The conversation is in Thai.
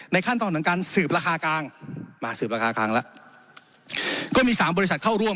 ในขั้นตอนการสืบราคากางมาสืบราคากางแล้ว